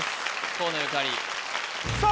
河野ゆかりさあ